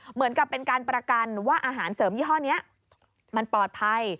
เหมือนกับเป็นการประกันว่าอาหารเสริมยี่ห้อนี้มันปลอดภัย